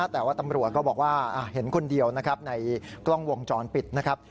แต่ว่าตำรวจก็บอกว่าเห็นคนเดียวนะครับในกล้องวงจรปิดนะครับ